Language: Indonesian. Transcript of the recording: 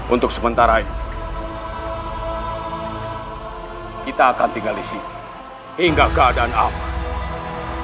untuk sementara ini kita akan tinggal isi hingga keadaan aman